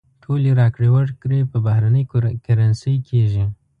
ټولې راکړې ورکړې په بهرنۍ کرنسۍ کېږي.